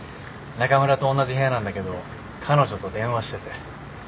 中村とおんなじ部屋なんだけど彼女と電話してて。